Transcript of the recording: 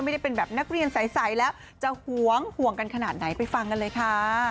ไม่ได้เป็นแบบนักเรียนใสแล้วจะหวงห่วงกันขนาดไหนไปฟังกันเลยค่ะ